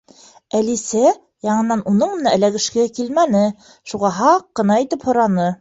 Әлисә яңынан уның менән эләгешкеһе килмәне, шуға һаҡ ҡына итеп һораны: